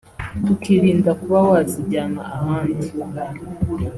tukirinda kuba wazijyana ahandi